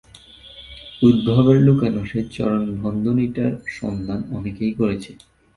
উদ্ধবের লুকানো সেই চরণ-বন্ধনীটার সন্ধান অনেকে করেছে।